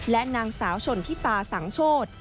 และนางสาวชนทิตาสังโชธ